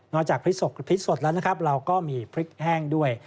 นอกจากผลิตสดแล้วนะครับเราก็มีผลิตแห้งด้วย